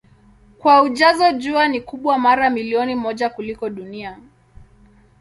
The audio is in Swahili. Kwa ujazo Jua ni kubwa mara milioni moja kuliko Dunia.